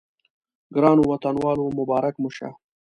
ګرانو وطنوالو مبارک مو شه.